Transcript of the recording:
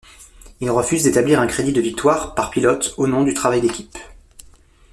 Il refuse d'établir un crédit de victoires par pilotes au nom du travail d'équipe.